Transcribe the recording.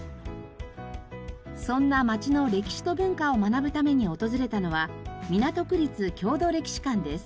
そんな街の歴史と文化を学ぶために訪れたのは港区立郷土歴史館です。